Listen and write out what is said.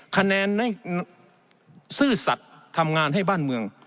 คะแนนได้ซื่อสัตว์ทำงานให้บ้านเมือง